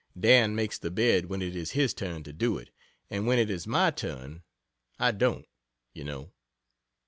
Dan makes the bed when it is his turn to do it and when it is my turn, I don't, you know.